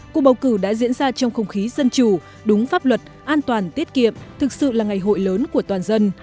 cuộc bầu cử đã diễn ra trong không khí dân chủ đúng pháp luật an toàn tiết kiệm thực sự là ngày hội lớn của toàn dân